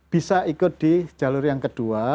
bisa ikut di jalur yang kedua